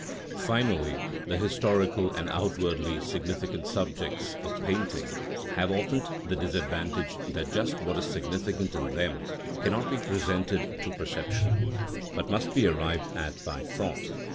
Finally, the historical and outwardly significant subjects of painting have often the disadvantage that just what is significant in them cannot be presented to perception, but must be arrived at by thought.